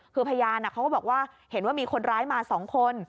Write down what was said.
คือพยานเขาก็บอกว่าเห็นว่ามีคนร้ายมา๒คน